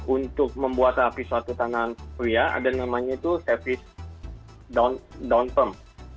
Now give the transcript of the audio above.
untuk membuat rapi suatu tangan pria ada namanya itu sevis down perm